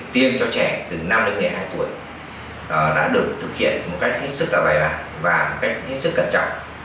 tiêm cho trẻ từ năm đến một mươi hai tuổi đã được thực hiện một cách hết sức là bài bản và một cách hết sức cẩn trọng